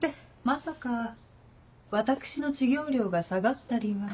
まさか私の授業料が下がったりは。